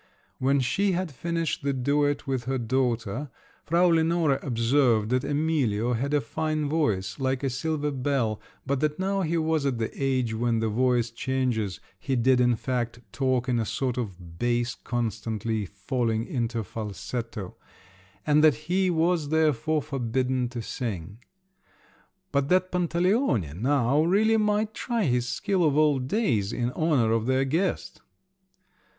When she had finished the duet with her daughter, Frau Lenore observed that Emilio had a fine voice, like a silver bell, but that now he was at the age when the voice changes—he did, in fact, talk in a sort of bass constantly falling into falsetto—and that he was therefore forbidden to sing; but that Pantaleone now really might try his skill of old days in honour of their guest!